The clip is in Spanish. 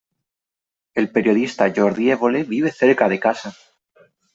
El periodista Jordi Evole vive cerca de casa.